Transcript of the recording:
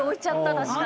確かに。